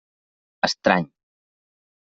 Estrany.